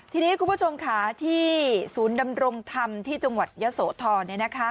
ทีนี้คุณผู้ชมค่ะที่ศูนย์ดำรงธรรมที่จังหวัดยะโสธร